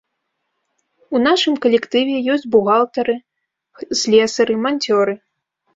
У нашым калектыве ёсць бухгалтары, слесары, манцёры.